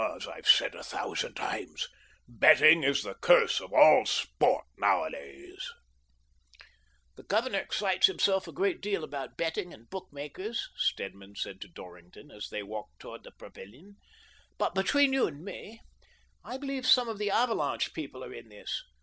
As I've said a thousand times, betting is the curse of all sport nowadays," " The governor excites himself a great deal about betting and bookmakers," Stedman said to Dorrington, as they walked toward the pavilion, but, between you and me, I believe some of the * Avalanche ' people are in this.